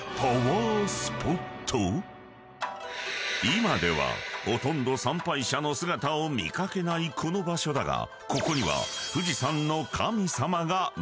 ［今ではほとんど参拝者の姿を見掛けないこの場所だがここには］